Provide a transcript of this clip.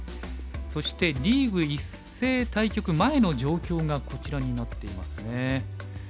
そしてリーグ一斉対局前の状況がこちらになっていますね。